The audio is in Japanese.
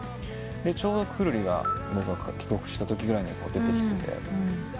ちょうどくるりが僕が帰国したときぐらいに出てきてて。